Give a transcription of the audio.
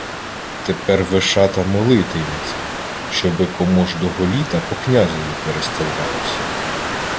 — Тепер Вишата молити-йметься, щоби комождого літа по князеві переставлялося.